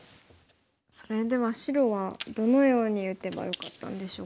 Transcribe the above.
それでは白はどのように打てばよかったんでしょうか。